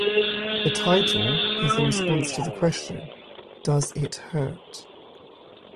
The title is in response to the question, Does it hurt?